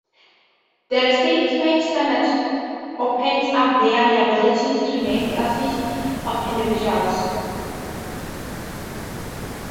The Restatement Standard opens up their liability to named "classes" of individuals.